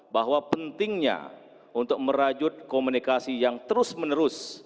bahwa pentingnya untuk merajut komunikasi yang terus menerus